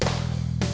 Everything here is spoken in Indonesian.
terima kasih bang